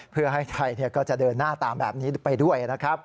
เพื่อให้ไทยก็จะเดินหน้าตามแบบนี้ไปด้วยนะครับ